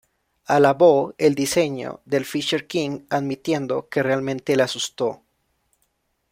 Alabó el diseñó del Fisher King, admitiendo que realmente le asustó.